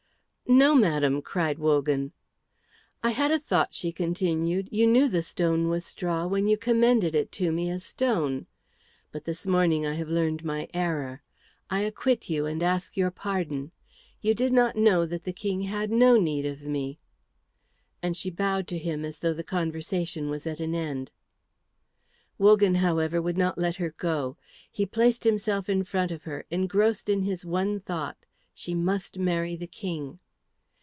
"No, madam," cried Wogan. "I had a thought," she continued, "you knew the stone was straw when you commended it to me as stone. But this morning I have learned my error. I acquit you, and ask your pardon. You did not know that the King had no need of me." And she bowed to him as though the conversation was at an end. Wogan, however, would not let her go. He placed himself in front of her, engrossed in his one thought, "She must marry the King."